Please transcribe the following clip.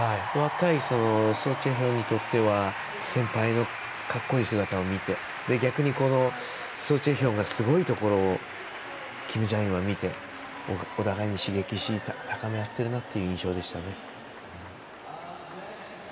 若いソ・チェヒョンにとっては先輩のかっこいい姿を見て逆に、ソ・チェヒョンがすごいところをキム・ジャインが見てお互いに高め合っている印象でしたね。